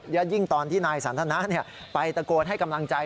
และยิ่งตอนที่นายสันทนาไปตะโกนให้กำลังใจ